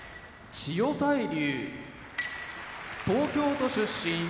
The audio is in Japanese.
千代大龍東京都出身